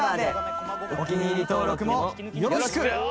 お気に入り登録もよろしく！